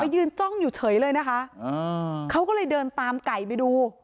ยืนจ้องอยู่เฉยเลยนะคะเขาก็เลยเดินตามไก่ไปดู